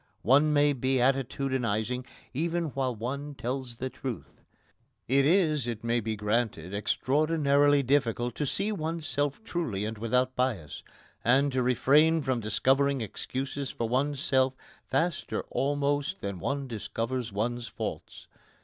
One may be attitudinising even while one tells the truth. It is, it may be granted, extraordinarily difficult to see oneself truly and without bias, and to refrain from discovering excuses for oneself faster almost than one discovers one's faults.